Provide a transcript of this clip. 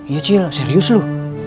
iya jil serius lo